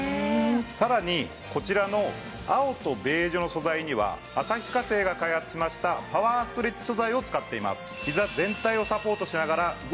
さらにこちらの青とベージュの素材には旭化成が開発しましたパワーストレッチ素材を使っています。